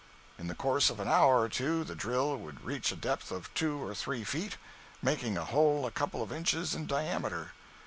In the course of an hour or two the drill would reach a depth of two or three feet, making a hole a couple of inches in diameter.